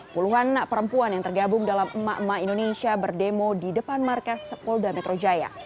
puluhan perempuan yang tergabung dalam emak emak indonesia berdemo di depan markas polda metro jaya